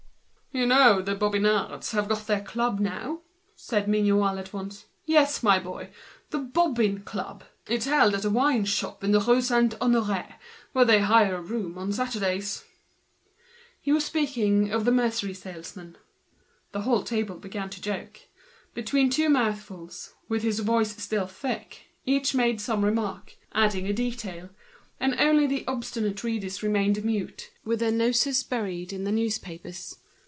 "You know the Bobbin fellows have got their club now," said Mignot, all at once. "Yes, my boy, the 'Bobbin Club.' It's held at a tavern in the Rue Saint Honoré, where they hire a room on Saturdays." He was speaking of the mercery salesmen. The whole table began to joke. Between two mouthfuls, with his voice still thick, each one made some remark, added a detail; the obstinate readers alone remained mute, absorbed, their noses buried in some newspapers.